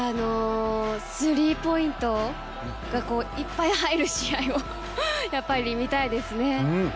スリーポイントがいっぱい入る試合をやっぱり見たいですね。